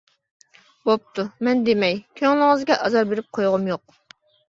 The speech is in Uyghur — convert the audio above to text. -بوپتۇ، مەن دېمەي، كۆڭلىڭىزگە ئازار بېرىپ قويغۇم يۇق.